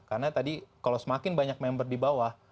karena tadi kalau semakin banyak member di bawah